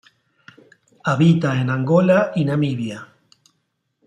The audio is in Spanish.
Habita en Angola y Namibia.